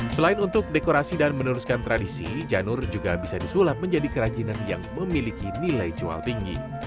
selain untuk dekorasi dan meneruskan tradisi janur juga bisa disulap menjadi kerajinan yang memiliki nilai jual tinggi